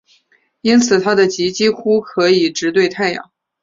因此它的极几乎可以直对太阳。